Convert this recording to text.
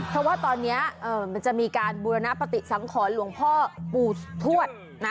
เพราะว่าตอนนี้มันจะมีการบูรณปฏิสังขรหลวงพ่อปู่ทวดนะ